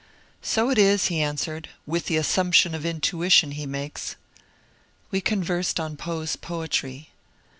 " So it is," he answered, ^^with the assumption of intuition he makes." We conversed on Poe's poetry.